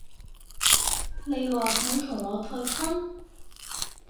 你話想同我退婚？